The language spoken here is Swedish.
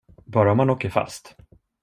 Bara om man åker fast.